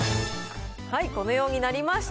このようになりました。